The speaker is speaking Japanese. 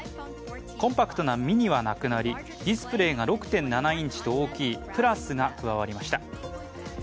コンパクトなｍｉｎｉはなくなりディスプレーが６．７インチと大きいＰｌｕｓが加わりました。